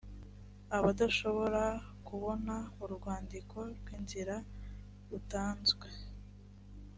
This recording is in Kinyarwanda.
adashobora kubona urwandiko rw inzira rutanzwe